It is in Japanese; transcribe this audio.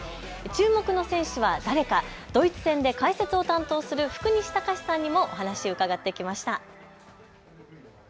注目の選手は誰か、ドイツ戦で解説を担当する福西崇史さんにもお話を伺ってきました。